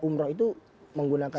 umroh itu menggunakan